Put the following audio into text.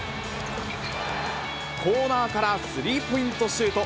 コーナーからスリーポイントシュート。